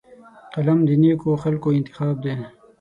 قلم د نیکو خلکو انتخاب دی